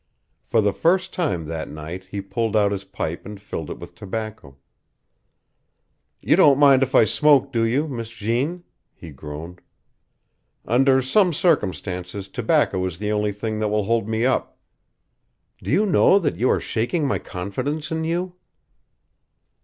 For the first time that night he pulled out his pipe and filled it with tobacco. "You don't mind if I smoke, do you, Miss Jeanne?" he groaned. "Under some circumstances tobacco is the only thing that will hold me up. Do you know that you are shaking my confidence in you?"